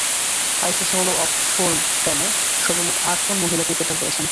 ICC hall of ফেমে সর্বমোট আটজন মহিলা ক্রিকেটার রয়েছেন।